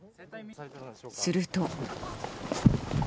すると。